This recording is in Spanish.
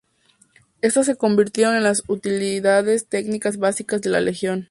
Estas se convirtieron en las unidades tácticas básicas de las legiones.